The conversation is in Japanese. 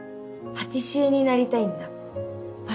パティシエになりたいの？